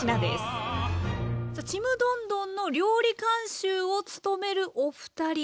さあ「ちむどんどん」の料理監修を務めるお二人。